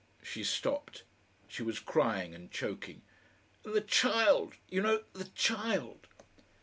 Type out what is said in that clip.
She stopped. She was crying and choking. "And the child, you know the child!"